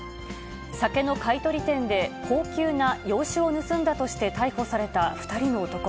酒の買い取り店で高級な洋酒を盗んだとして逮捕された２人の男。